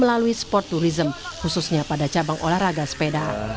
melalui sport tourism khususnya pada cabang olahraga sepeda